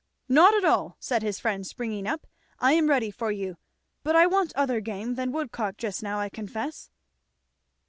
"Not at all," said his friend springing up. "I am ready for you but I want other game than woodcock just now I confess."